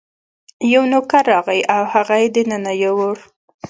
یو نوکر راغی او هغه یې دننه یووړ.